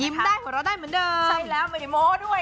ยิ้มได้เหมือนเราได้เหมือนเดิม